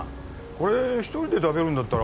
これ一人で食べるんだったら